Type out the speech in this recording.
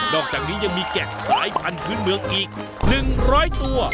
อกจากนี้ยังมีแกะสายพันธุ์เมืองอีก๑๐๐ตัว